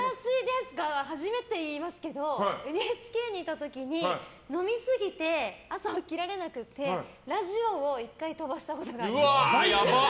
初めて言いますけどＮＨＫにいた時に、飲みすぎて朝起きられなくてラジオを１回飛ばしたことがあります。